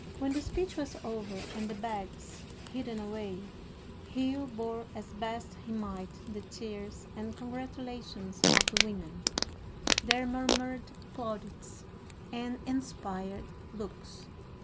When the speech was over, and the bags hidden away, Hugh bore as best he might the tears and congratulations of the women, their murmured plaudits, and inspired looks.